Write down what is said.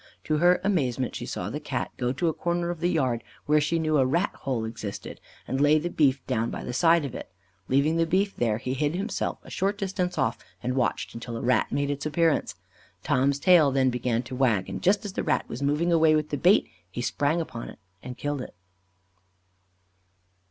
To her amazement, she saw the Cat go to a corner of the yard where she knew a rat hole existed, and lay the beef down by the side of it. Leaving the beef there, he hid himself a short distance off, and watched until a rat made its appearance. Tom's tail then began to wag, and just as the rat was moving away with the bait, he sprang upon, and killed it.